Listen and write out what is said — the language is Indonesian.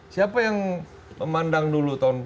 siapa yang memandang dulu tahun empat puluh lima